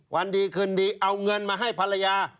วันดีคืนดีเอาเงินมาให้ภรรยา